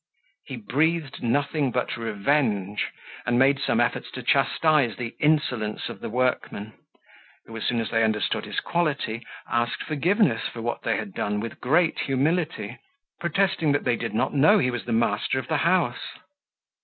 He breathed nothing but revenge, and made some efforts to chastise the insolence of the workmen, who, as soon as they understood his quality, asked forgiveness for what they had done with great humility, protesting that they did not know he was master of the house.